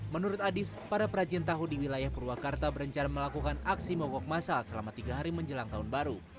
menurut adis para perajin tahu di wilayah purwakarta berencana melakukan aksi mogok masal selama tiga hari menjelang tahun baru